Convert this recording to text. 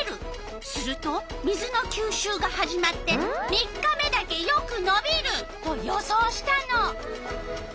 すると水のきゅうしゅうが始まって３日目だけよくのびると予想したの。